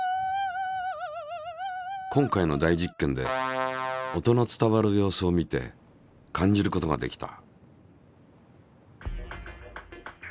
今回の大実験で音の伝わる様子を見て感じることができた。